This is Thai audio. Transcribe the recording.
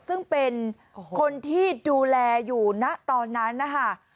ซึ่งเป็นคนที่ดูแลอยู่ณตอนนั้นนะคะ